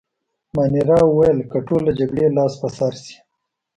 مانیرا وویل: که ټول له جګړې لاس په سر شي.